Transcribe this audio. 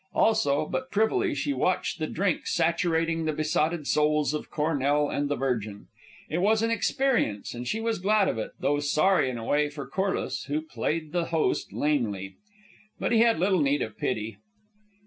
Also, but privily, she watched the drink saturating the besotted souls of Cornell and the Virgin. It was an experience, and she was glad of it, though sorry in a way for Corliss, who played the host lamely. But he had little need of pity.